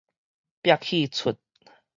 煏戲齣